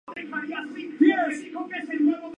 Marzo o abril Semana Santa.